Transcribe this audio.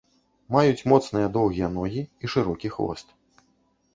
Маюць моцныя доўгія ногі і шырокі хвост.